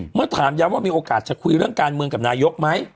เมื่อถามย้ำว่ามีโอกาสจะคุยเรื่องการเมืองกับนายกไหม